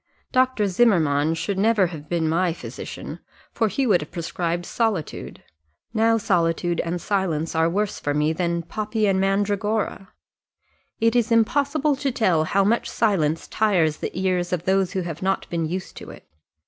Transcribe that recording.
Dr. Zimmermann should never have been my physician, for he would have prescribed solitude. Now solitude and silence are worse for me than poppy and mandragora. It is impossible to tell how much silence tires the ears of those who have not been used to it.